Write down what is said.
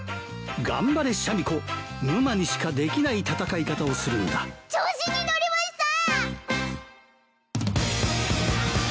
頑張れシャミ子夢魔にしかできない戦い方をするんだ調子に乗りました！